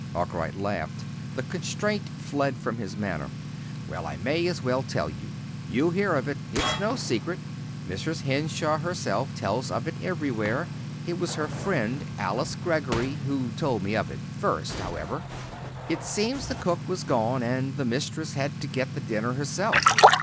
Arkwright laughed. The constraint fled from his manner. "Well, I may as well tell you. You'll hear of it. It's no secret. Mrs. Henshaw herself tells of it everywhere. It was her friend, Alice Greggory, who told me of it first, however. It seems the cook was gone, and the mistress had to get the dinner herself."